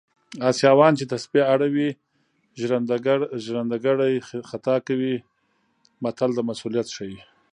اسیاوان چې تسبې اړوي ژرندګړی خطا کوي متل د مسوولیت ښيي